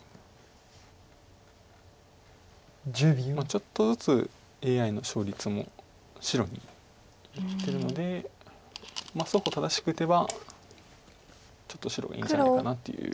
ちょっとずつＡＩの勝率も白に寄ってるので双方正しく打てばちょっと白がいいんじゃないかなっていう。